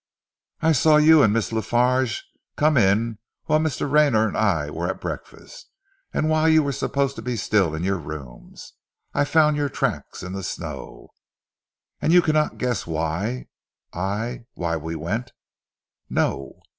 "I saw you and Miss La Farge come in whilst Mr. Rayner and I were at breakfast, and whilst you were supposed to be still in your rooms. I found your tracks in the snow." "And you cannot guess why I why we went?" "No."